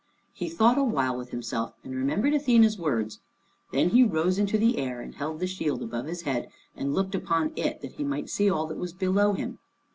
He thought awhile with himself and remembered Athene's words. Then he rose into the air, and held the shield above his head and looked up into it, that he might see all that was below him.